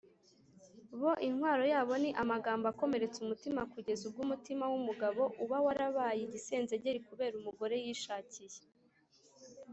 Bo intwaro yabo ni amagambo akomeretsa umutima kugeza ubwo umutima w’umugabo uba warabaye igisenzegeri kubera umugore yishakiye "